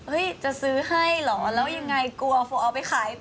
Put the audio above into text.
จะซื้อให้เหรอแล้วยังไงกลัวเอาไปขาย